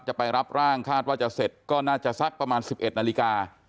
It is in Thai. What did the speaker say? จะไปรับร่างคาดว่าจะเสร็จก็น่าจะสักประมาณ๑๑นาฬิกา